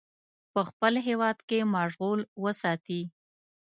په خپل هیواد کې مشغول وساتي.